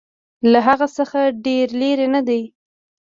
له هغه څخه ډېر لیري نه دی.